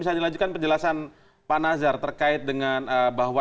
saya ringan sekali dengan bahwa